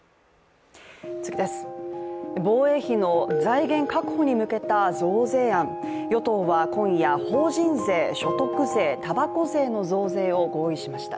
防衛費の財源確保に向けた増税案、与党は今夜、法人税、所得税、たばこ税の増税を合意しました。